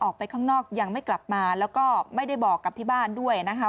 ออกไปข้างนอกยังไม่กลับมาแล้วก็ไม่ได้บอกกับที่บ้านด้วยนะคะ